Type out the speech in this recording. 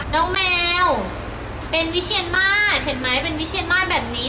น้องแมวเป็นวิเชียนมาสเห็นไหมเป็นวิเชียนมาสแบบนี้